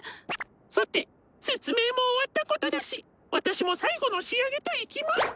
さて説明も終わったことだし私も最後の仕上げといきますか。